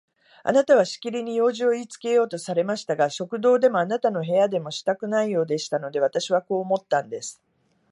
あなたはしきりに用事をいいつけようとされましたが、食堂でもあなたの部屋でもしたくないようでしたので、私はこう思ったんです。